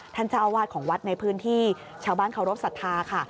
ท่านเจ้าอาวาสของวัดในพื้นที่ชาวบ้านเคารพสัทธาค่ะ